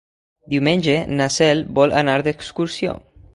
Diumenge na Cel vol anar d'excursió.